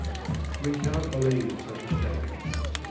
We cannot believe such a statement.